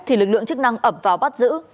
thì lực lượng chức năng ẩm vào bắt giữ